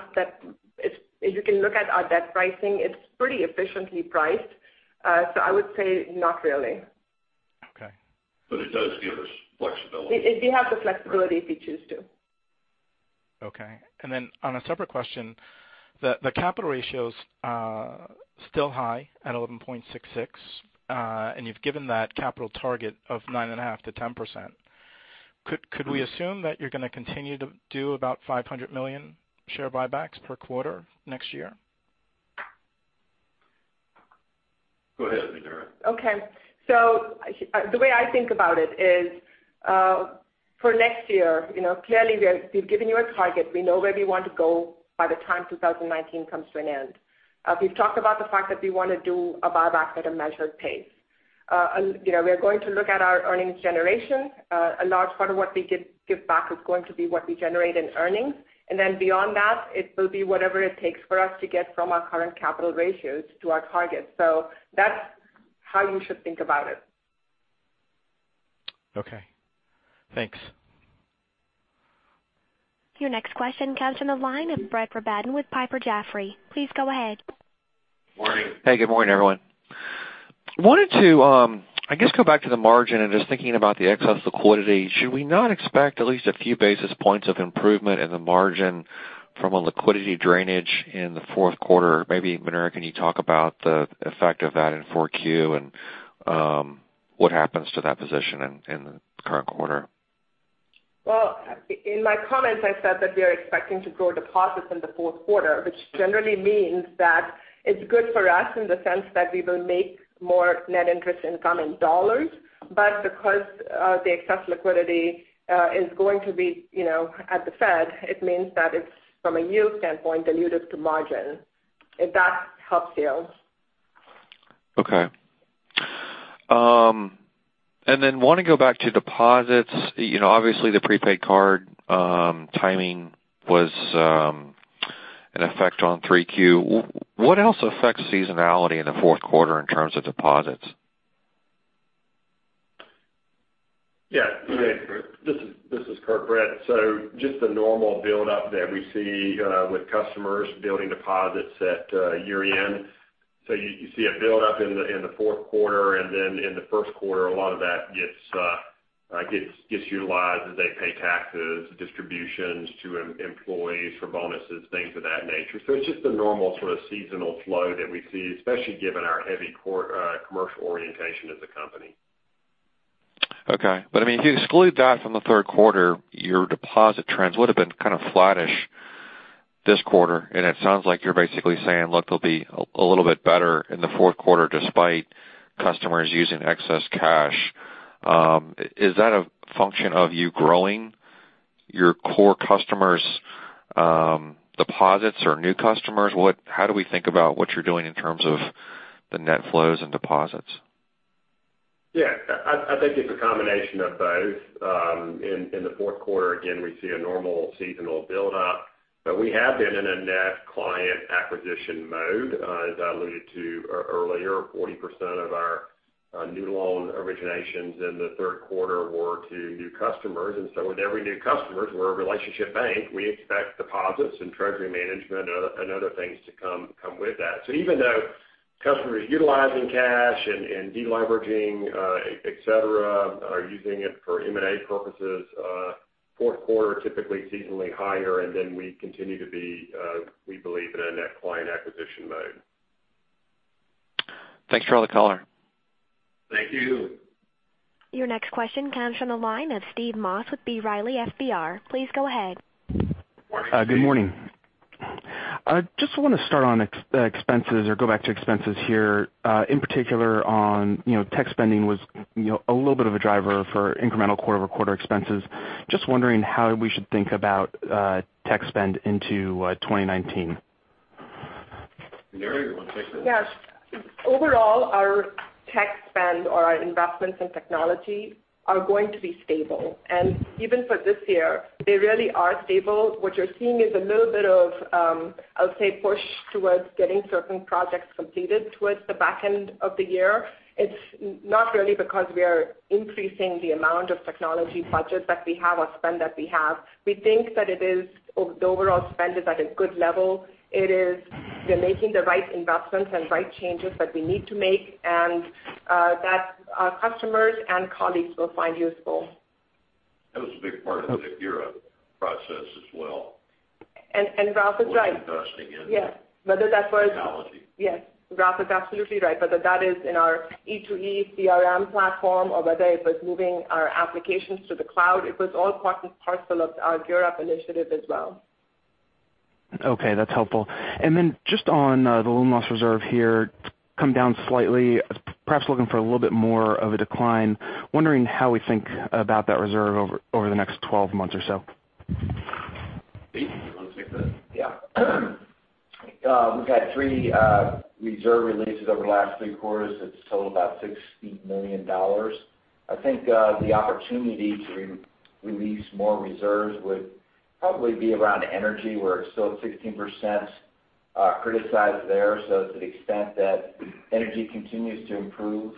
if you can look at our debt pricing, it's pretty efficiently priced. I would say not really. Okay. It does give us flexibility. We have the flexibility if we choose to. Okay. Then on a separate question, the capital ratio is still high at 11.66. You've given that capital target of 9.5%-10%. Could we assume that you're going to continue to do about $500 million share buybacks per quarter next year? Go ahead, Muneera. Okay. The way I think about it is, for next year, clearly we've given you a target. We know where we want to go by the time 2019 comes to an end. We've talked about the fact that we want to do a buyback at a measured pace. We're going to look at our earnings generation. A large part of what we give back is going to be what we generate in earnings. Then beyond that, it will be whatever it takes for us to get from our current capital ratios to our target. That's how you should think about it. Okay. Thanks. Your next question comes from the line of Brett Rabatin with Piper Jaffray. Please go ahead. Morning. Hey, good morning, everyone. Wanted to I guess go back to the margin and just thinking about the excess liquidity. Should we not expect at least a few basis points of improvement in the margin from a liquidity drainage in the fourth quarter? Maybe, Muneera, can you talk about the effect of that in 4Q and what happens to that position in the current quarter? Well, in my comments, I said that we are expecting to grow deposits in the fourth quarter, which generally means that it's good for us in the sense that we will make more net interest income in dollars. Because the excess liquidity is going to be at the Fed, it means that it's from a yield standpoint, dilutive to margin. If that helps you. Okay. Then want to go back to deposits. Obviously the prepaid card timing was an effect on 3Q. What else affects seasonality in the fourth quarter in terms of deposits? Yeah. This is Curt Brett. Just the normal buildup that we see with customers building deposits at year-end. You see a buildup in the fourth quarter, and then in the first quarter, a lot of that gets utilized as they pay taxes, distributions to employees for bonuses, things of that nature. It's just the normal sort of seasonal flow that we see, especially given our heavy commercial orientation as a company. Okay. If you exclude that from the third quarter, your deposit trends would've been kind of flattish this quarter, and it sounds like you're basically saying, look, they'll be a little bit better in the fourth quarter despite customers using excess cash. Is that a function of you growing your core customers' deposits or new customers? How do we think about what you're doing in terms of the net flows and deposits? Yeah. I think it's a combination of both. In the fourth quarter, again, we see a normal seasonal buildup, but we have been in a net client acquisition mode. As I alluded to earlier, 40% of our new loan originations in the third quarter were to new customers. With every new customers, we're a relationship bank. We expect deposits and treasury management and other things to come with that. Even though customers utilizing cash and de-leveraging, et cetera, are using it for M&A purposes, fourth quarter typically seasonally higher. Then we continue to be, we believe, in a net client acquisition mode. Thanks for all the color. Thank you. Your next question comes from the line of Steve Moss with B. Riley FBR. Please go ahead. Morning, Steve. Good morning. Just want to start on expenses or go back to expenses here. In particular on tech spending was a little bit of a driver for incremental quarter-over-quarter expenses. Just wondering how we should think about tech spend into 2019. Nari, you want to take this? Yes. Overall, our tech spend or our investments in technology are going to be stable. Even for this year, they really are stable. What you're seeing is a little bit of, I'll say, push towards getting certain projects completed towards the back end of the year. It's not really because we are increasing the amount of technology budget that we have or spend that we have. We think that the overall spend is at a good level. It is we're making the right investments and right changes that we need to make, and that our customers and colleagues will find useful. That was a big part of the GEAR Up process as well. Ralph is right. Was investing in Yes. Whether that was technology. Yes, Ralph is absolutely right. Whether that is in our E2E CRM platform or whether it was moving our applications to the cloud, it was all part and parcel of our GEAR Up initiative as well. Okay, that's helpful. Just on the loan loss reserve here, it's come down slightly. Perhaps looking for a little bit more of a decline? Wondering how we think about that reserve over the next 12 months or so? Steve, you want to take this? Yeah. We've had three reserve releases over the last three quarters that totaled about $60 million. I think the opportunity to release more reserves would probably be around energy, where it's still 16% criticized there. To the extent that energy continues to improve,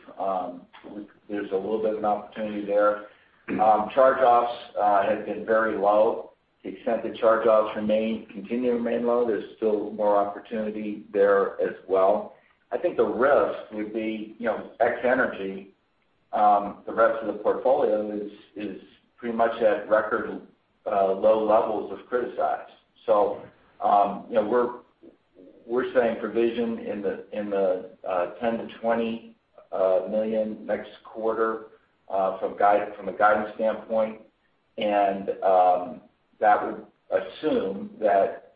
there's a little bit of an opportunity there. Charge-offs have been very low. The extent that charge-offs continue to remain low, there's still more opportunity there as well. I think the risk would be ex energy, the rest of the portfolio is pretty much at record low levels of criticized. We're saying provision in the $10 million-$20 million next quarter from a guidance standpoint. That would assume that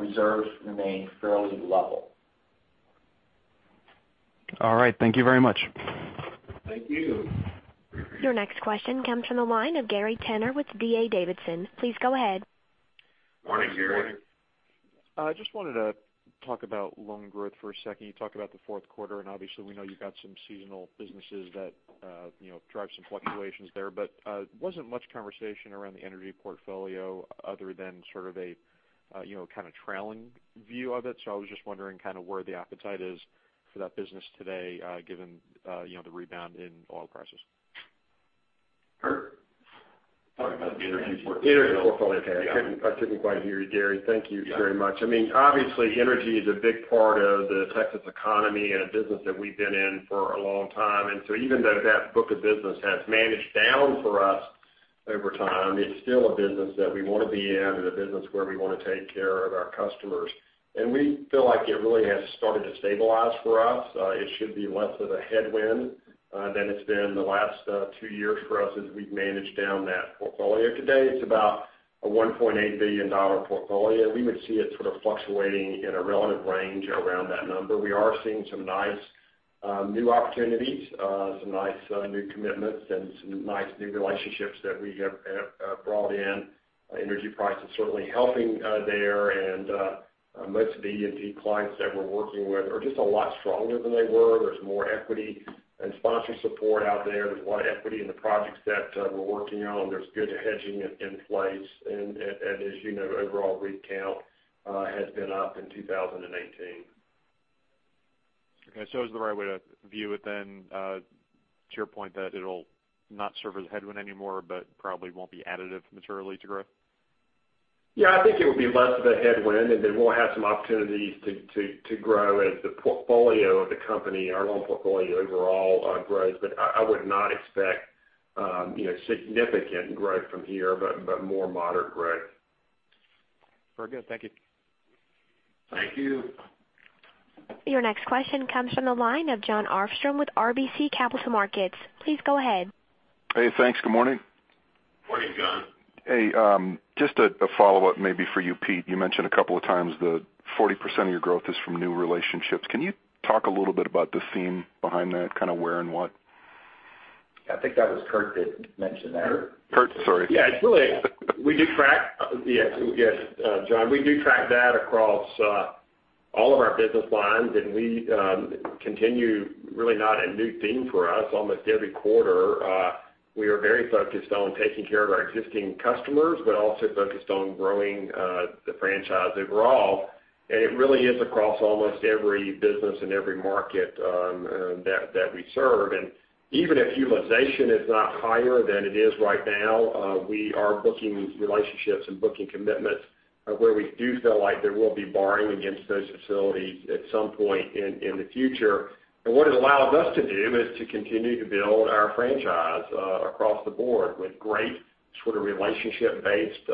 reserves remain fairly level. All right. Thank you very much. Thank you. Your next question comes from the line of Gary Tenner with D.A. Davidson & Co. Please go ahead. Morning, Gary. Morning. I just wanted to talk about loan growth for a second. You talked about the fourth quarter, and obviously we know you've got some seasonal businesses that drive some fluctuations there. Wasn't much conversation around the energy portfolio other than sort of a kind of trailing view of it. I was just wondering kind of where the appetite is for that business today given the rebound in oil prices. Kurt. Sorry about that. Energy portfolio. Energy portfolio. Okay. I couldn't quite hear you, Gary. Thank you very much. Obviously energy is a big part of the Texas economy and a business that we've been in for a long time. Even though that book of business has managed down for us over time, it's still a business that we want to be in and a business where we want to take care of our customers. We feel like it really has started to stabilize for us. It should be less of a headwind than it's been the last two years for us as we've managed down that portfolio. Today it's about a $1.8 billion portfolio. We would see it sort of fluctuating in a relative range around that number. We are seeing some nice New opportunities, some nice new commitments, and some nice new relationships that we have brought in. Energy prices certainly helping there. Most of the E&P clients that we're working with are just a lot stronger than they were. There's more equity and sponsor support out there. There's a lot of equity in the projects that we're working on. There's good hedging in place. As you know, overall rig count has been up in 2018. Okay, is the right way to view it then, to your point, that it'll not serve as a headwind anymore, but probably won't be additive materially to growth? I think it would be less of a headwind, then we'll have some opportunities to grow as the portfolio of the company, our loan portfolio overall grows. I would not expect significant growth from here, but more moderate growth. Very good. Thank you. Thank you. Your next question comes from the line of John Ortved with RBC Capital Markets. Please go ahead. Hey, thanks. Good morning. Morning, John. Hey, just a follow-up maybe for you, Pete. You mentioned a couple of times that 40% of your growth is from new relationships. Can you talk a little bit about the theme behind that, kind of where and what? I think that was Kurt that mentioned that. Curt, sorry. Yeah. Yes, John. We do track that across all of our business lines. We continue really not a new theme for us almost every quarter. We are very focused on taking care of our existing customers, also focused on growing the franchise overall. It really is across almost every business and every market that we serve. Even if utilization is not higher than it is right now, we are booking relationships and booking commitments where we do feel like there will be borrowing against those facilities at some point in the future. What it allows us to do is to continue to build our franchise, across the board with great sort of relationship-based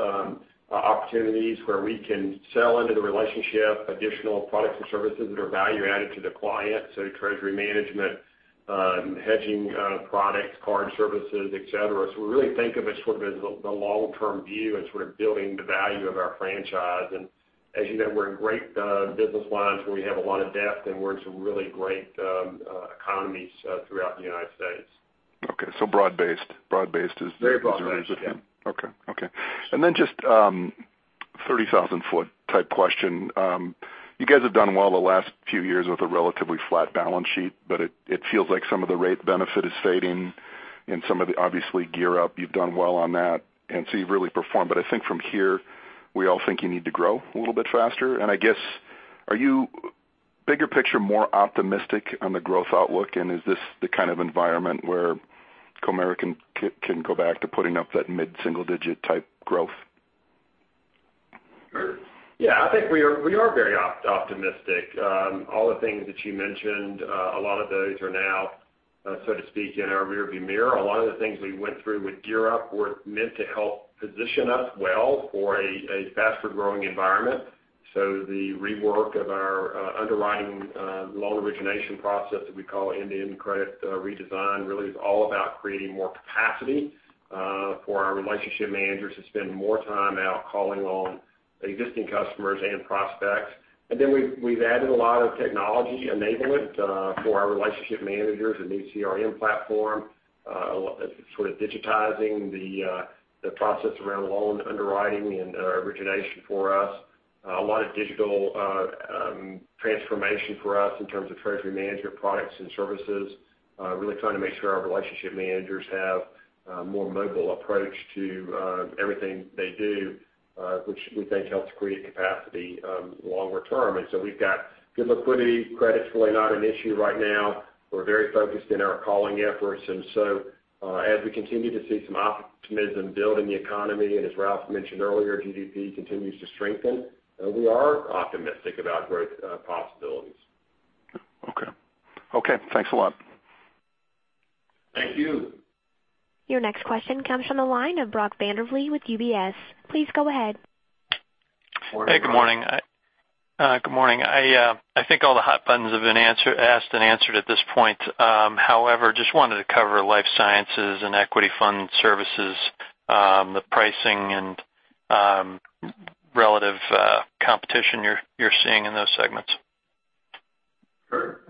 opportunities where we can sell into the relationship, additional products and services that are value added to the client, so treasury management, hedging products, card services, et cetera. We really think of it sort of as the long-term view and sort of building the value of our franchise. As you know, we're in great business lines where we have a lot of depth, and we're in some really great economies throughout the United States. Okay. Broad-based is. Very broad-based. Yeah. Okay. Then just 30,000-foot type question. You guys have done well the last few years with a relatively flat balance sheet, but it feels like some of the rate benefit is fading and some of the, obviously, GEAR Up, you've done well on that, and so you've really performed. I think from here, we all think you need to grow a little bit faster. I guess, are you bigger picture, more optimistic on the growth outlook? Is this the kind of environment where Comerica can go back to putting up that mid-single digit type growth? Sure. Yeah, I think we are very optimistic. All the things that you mentioned, a lot of those are now, so to speak, in our rearview mirror. A lot of the things we went through with GEAR Up were meant to help position us well for a faster-growing environment. The rework of our underwriting loan origination process that we call end-to-end credit redesign really is all about creating more capacity, for our relationship managers to spend more time out calling on existing customers and prospects. We've added a lot of technology enablement for our relationship managers, a new CRM platform, sort of digitizing the process around loan underwriting and origination for us. A lot of digital transformation for us in terms of treasury management products and services. Really trying to make sure our relationship managers have a more mobile approach to everything they do, which we think helps create capacity longer term. We've got good liquidity. Credit's really not an issue right now. We're very focused in our calling efforts. As we continue to see some optimism build in the economy, and as Ralph mentioned earlier, GDP continues to strengthen, we are optimistic about growth possibilities. Okay. Thanks a lot. Thank you. Your next question comes from the line of Brock Vandervliet with UBS. Please go ahead. Morning, Brock. Hey, good morning. I think all the hot buttons have been asked and answered at this point. However, just wanted to cover Life Sciences and equity fund services, the pricing and relative competition you're seeing in those segments. Sure.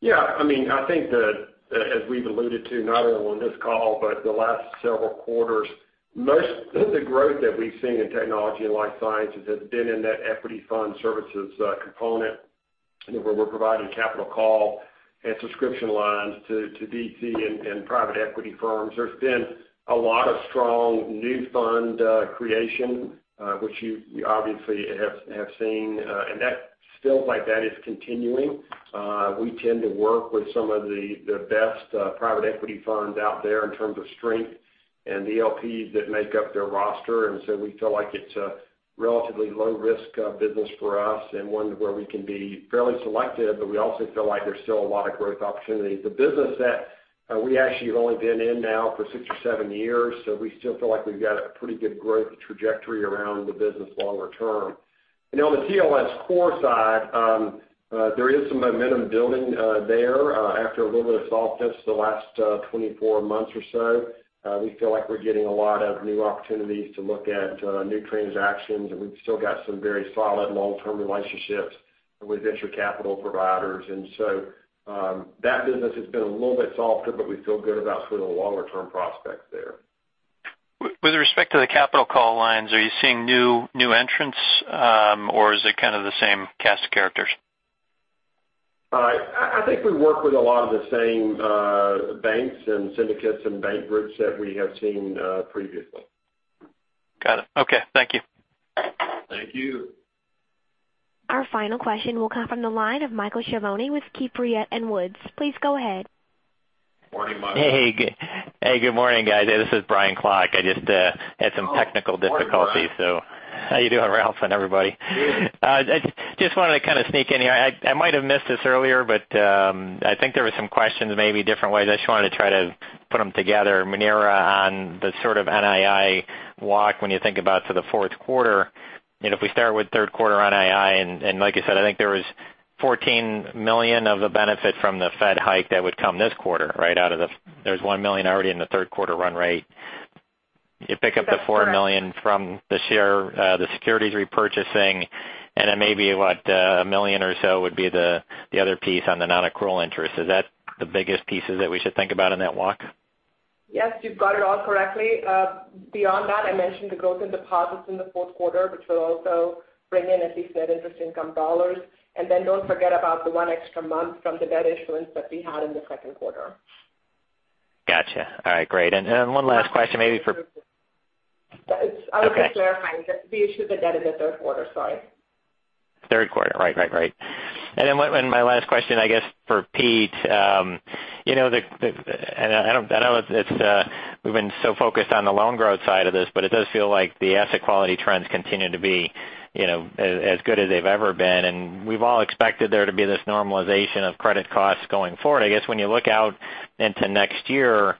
Yeah, I think that as we've alluded to, not only on this call, but the last several quarters, most of the growth that we've seen in Technology and Life Sciences has been in that equity fund services component, where we're providing capital call and subscription lines to VC and private equity firms. There's been a lot of strong new fund creation, which you obviously have seen. That still like that is continuing. We tend to work with some of the best private equity funds out there in terms of strength and the LPs that make up their roster, and so we feel like it's a relatively low-risk business for us and one where we can be fairly selective, but we also feel like there's still a lot of growth opportunities. It's a business that we actually have only been in now for six or seven years, so we still feel like we've got a pretty good growth trajectory around the business longer term. On the TLS core side, there is some momentum building there after a little bit of softness the last 24 months or so. We feel like we're getting a lot of new opportunities to look at new transactions, and we've still got some very solid long-term relationships with venture capital providers. So, that business has been a little bit softer, but we feel good about sort of the longer-term prospects there. With respect to the capital call lines, are you seeing new entrants, or is it kind of the same cast of characters? I think we work with a lot of the same banks and syndicates and bank groups that we have seen previously. Got it. Okay. Thank you. Thank you. Our final question will come from the line of Michael Shamoney with Keefe, Bruyette & Woods. Please go ahead. Morning, Michael. Hey, good morning guys. Hey, this is Brian Klock. I just had some technical difficulties. Oh, morning Brian. How you doing, Ralph and everybody? Good. I just wanted to kind of sneak in here. I might have missed this earlier, but I think there were some questions, maybe different ways. I just wanted to try to put them together. Muneera, on the sort of NII walk when you think about for the fourth quarter, if we start with third quarter NII, I think there was $14 million of the benefit from the Fed hike that would come this quarter, right out of the—there's $1 million already in the third quarter run rate. You pick up the $4 million from the securities repurchasing, then maybe, what, $1 million or so would be the other piece on the non-accrual interest. Is that the biggest pieces that we should think about in that walk? Yes, you've got it all correctly. Beyond that, I mentioned the growth in deposits in the fourth quarter, which will also bring in a few Fed interest income dollars. Don't forget about the one extra month from the debt issuance that we had in the second quarter. Got you. All right, great. One last question, maybe for- I was just clarifying that we issued the debt in the third quarter. Sorry. Third quarter, right. My last question, I guess for Pete. I know we've been so focused on the loan growth side of this, but it does feel like the asset quality trends continue to be as good as they've ever been. We've all expected there to be this normalization of credit costs going forward. I guess when you look out into next year,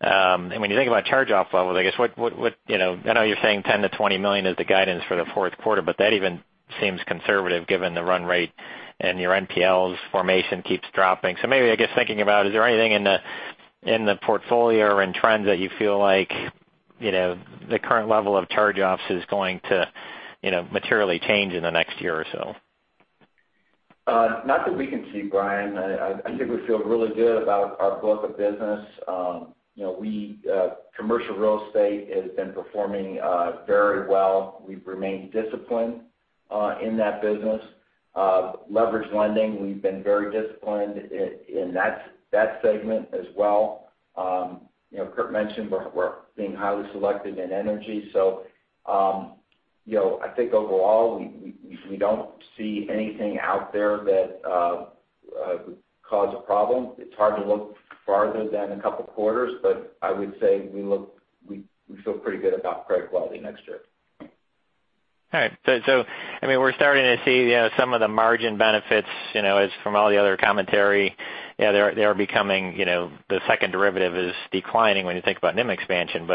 and when you think about charge-off levels, I know you're saying $10 million-$20 million is the guidance for the fourth quarter, but that even seems conservative given the run rate and your NPLs formation keeps dropping. Maybe, I guess thinking about, is there anything in the portfolio or in trends that you feel like the current level of charge-offs is going to materially change in the next year or so? Not that we can see, Brian Klock. I think we feel really good about our book of business. Commercial real estate has been performing very well. We've remained disciplined in that business. Leveraged lending, we've been very disciplined in that segment as well. Curt mentioned we're being highly selective in energy. I think overall, we don't see anything out there that would cause a problem. It's hard to look farther than a couple quarters, but I would say we feel pretty good about credit quality next year. All right. We're starting to see some of the margin benefits from all the other commentary. They are becoming the second derivative is declining when you think about NIM expansion.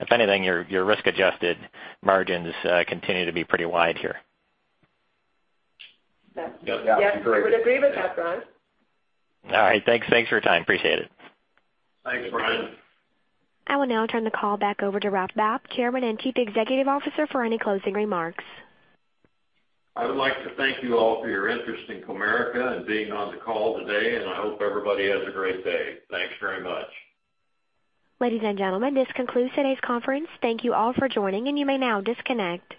If anything, your risk-adjusted margins continue to be pretty wide here. Yes, you're correct. Yes, we would agree with that, Brian. All right, thanks for your time. Appreciate it. Thanks, Brian. I will now turn the call back over to Ralph Babb, Chairman and Chief Executive Officer, for any closing remarks. I would like to thank you all for your interest in Comerica and being on the call today, and I hope everybody has a great day. Thanks very much. Ladies and gentlemen, this concludes today's conference. Thank you all for joining, and you may now disconnect.